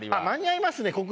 間に合いますね